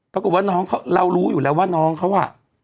ปรากฏว่าน้องเขาเรารู้อยู่แล้วว่าน้องเขาอ่ะ